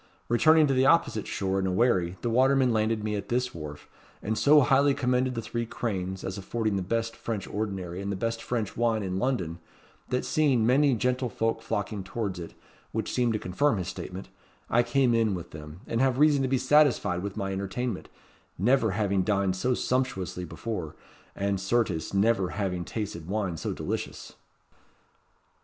Returning to the opposite shore in a wherry, the waterman landed me at this wharf, and so highly commended the Three Cranes, as affording the best French ordinary and the best French wine in London, that seeing many gentlefolk flocking towards it, which seemed to confirm his statement, I came in with them, and have reason to be satisfied with my entertainment, never having dined so sumptuously before, and, certes, never having tasted wine so delicious."